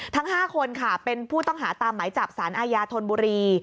ทั้ง๕คนค่ะเป็นผู้ต้องหาตามหมายจับสารอาญาธนบุรี